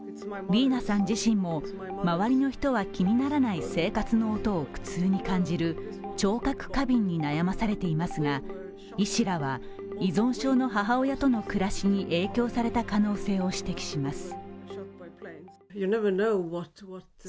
リーナさん自身も、周りの人は気にならない生活の音を苦痛に感じる聴覚過敏に悩まされていますが、医師らは、依存症の母親との暮らしに影響された可能性を指摘します。